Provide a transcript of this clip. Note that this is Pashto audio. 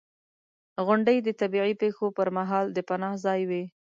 • غونډۍ د طبعي پېښو پر مهال د پناه ځای وي.